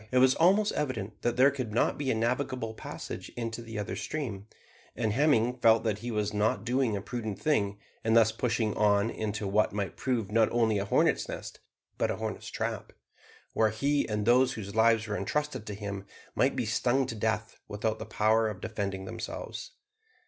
It was almost evident that there could not be a navigable passage into the other stream, and Hemming felt that he was not doing a prudent thing in thus pushing on into what might prove not only a hornets' nest, but a hornets' trap, where he and those whose lives were entrusted to him might be stung to death without the power of defending themselves.